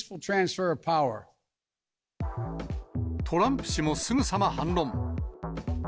トランプ氏もすぐさま反論。